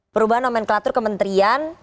perubahan nomenklatur kementerian